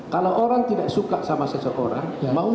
kalau orang tidak suka sama seseorang